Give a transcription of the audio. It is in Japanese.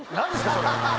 それ。